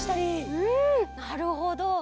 うんなるほど。